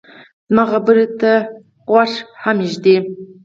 زما خبرې ته غوږ هم ږدې